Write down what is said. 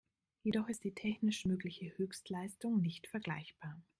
Jedoch ist die technisch mögliche Höchstleistung nicht vergleichbar.